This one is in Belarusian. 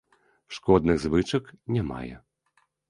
Шкодных звычак не мае.